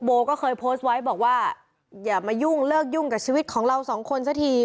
โบก็เคยโพสต์ไว้บอกว่าอย่ามายุ่งเลิกยุ่งกับชีวิตของเราสองคนสักที